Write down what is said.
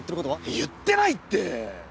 言ってないって！